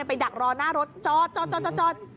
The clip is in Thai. ไปดักรอหน้ารถจอดจอดจอดจอด